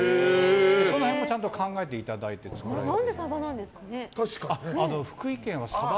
その辺もちゃんと考えていただいて作ってます。